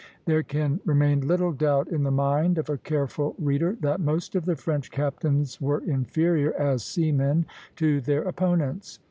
There can remain little doubt, in the mind of the careful reader, that most of the French captains were inferior, as seamen, to their opponents.